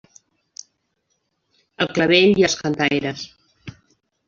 El Clavell i Els Cantaires.